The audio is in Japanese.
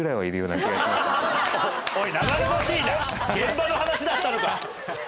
現場の話だったのか！